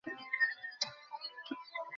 তবে শরীয়ত যেগুলো সমর্থন করে, সেগুলো ব্যতিক্রম।